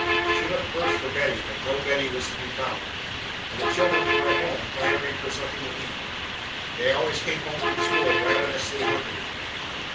She looked first for Betty, but no Betty was to be found, and the children were at home clamoring for something to eat. They always came home from school ravenously hungry.